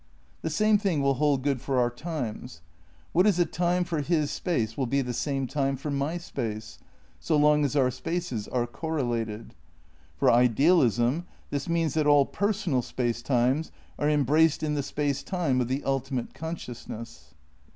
The same thing will hold good for our times. What is a time for his space will be the same time for my space, so long as our spaces are correlated. For idealism this means that all personal space times are embraced in the Space Time of the ultimate con sciousness.